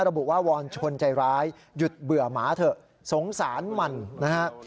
ระบุว่าวอนชนใจร้ายหยุดเบื่อหมาเถอะสงสารมันนะฮะ